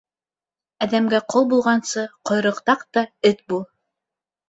Әҙәмгә ҡол булғансы, ҡойроҡ таҡ та, эт бул!